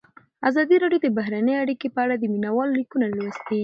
ازادي راډیو د بهرنۍ اړیکې په اړه د مینه والو لیکونه لوستي.